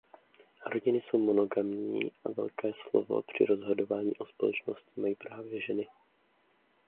Rodiny jsou monogamní a velké slovo při rozhodování o společnosti mají právě ženy.